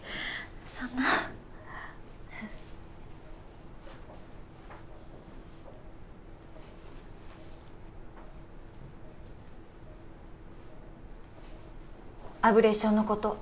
そんなアブレーションのこと